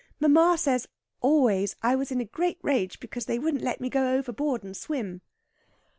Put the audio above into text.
"Mamma says always I was in a great rage because they wouldn't let me go overboard and swim."